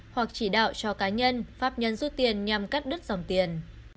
hoặc chỉ đạo cho cá nhân pháp nhân rút tiền nhằm cắt đứt dòng tiền